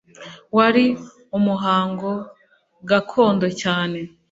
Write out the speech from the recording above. Wari umuhango gakondo cyane.